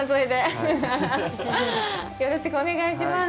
よろしくお願いします。